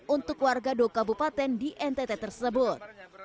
untuk warga doka bupaten di ntt tersebut